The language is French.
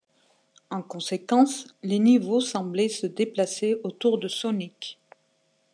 En conséquence, les niveaux semblaient se déplacer autour de Sonic.